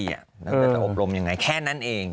แต่บอกว่าอย่างไงแค่นั้นเอง